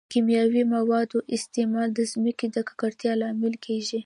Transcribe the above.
د کیمیاوي موادو استعمال د ځمکې د ککړتیا لامل کیږي.